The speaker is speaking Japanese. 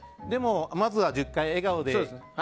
まずは１０回笑顔で。